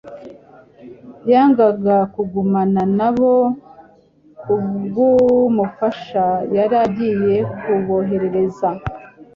yajyaga kugumana na bo kubw’umufasha yari agiye kuboherereza,